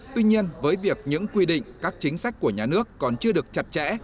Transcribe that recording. tuy nhiên với việc những quy định các chính sách của nhà nước còn chưa được chặt chẽ